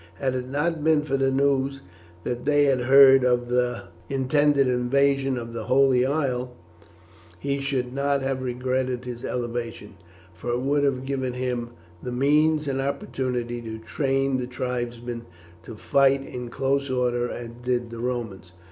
Had it not been for the news that they had heard of the intended invasion of the Holy Isle he should not have regretted his elevation, for it would have given him the means and opportunity to train the tribesmen to fight in close order as did the Romans.